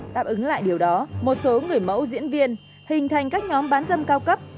đáp ứng lại điều đó một số người mẫu diễn viên hình thành các nhóm bán dâm cao cấp